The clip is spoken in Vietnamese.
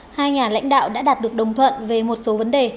hai nhà lãnh đạo đã đạt được đồng thuận về một số vấn đề